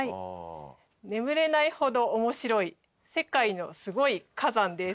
「眠れないほど面白い世界のすごい火山」です。